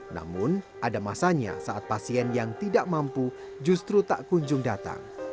namun ada masanya saat pasien yang tidak mampu justru tak kunjung datang